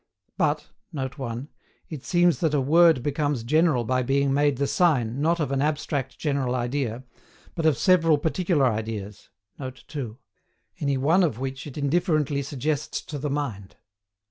But [Note. 1] it seems that a word becomes general by being made the sign, not of an ABSTRACT general idea, but of several particular ideas [Note. 2], any one of which it indifferently suggests to the mind.